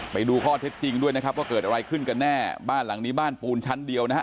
ไปดูข้อเท็จจริงด้วยนะครับว่าเกิดอะไรขึ้นกันแน่บ้านหลังนี้บ้านปูนชั้นเดียวนะฮะ